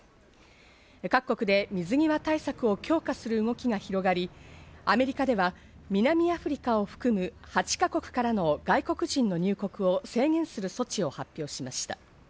各国で水際対策を強化する動きが広がり、アメリカでは南アフリカを含む８か国からの外国人の入国を制限する措置を発表しました。